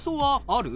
ある。